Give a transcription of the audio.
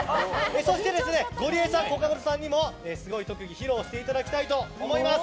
そして、ゴリエさんコカドさんにもすごい特技を披露していただきたいと思います。